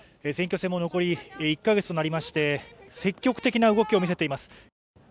選挙戦も残り１か月となりまして積極的な動きを見せています。